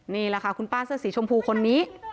นี่แหละค่ะคุณป้าเสื้อสีชมพูคนนี้